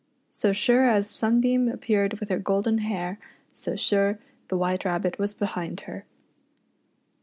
So sure as Sunbeam appeared with her golden hair, so sure the White Rabbit was behind her.